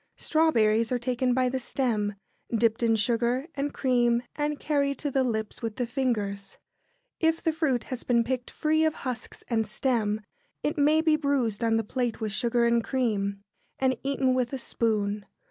[Sidenote: Strawberries.] Strawberries are taken by the stem, dipped in sugar and cream, and carried to the lips with the fingers. If the fruit has been picked free of husks and stem, it may be bruised on the plate with sugar and cream, and eaten with a spoon.